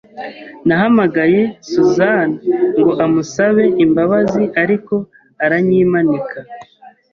Nahamagaye Susan ngo amusabe imbabazi, ariko aranyimanika.